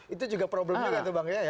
itu juga problemnya kan itu bang